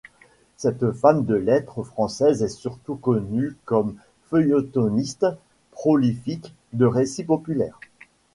Cette femme de lettres française est surtout connue comme feuilletoniste prolifique de récits populaires.